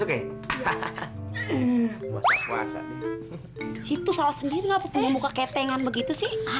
itu salah sendiri ngapain muka ketengan begitu sih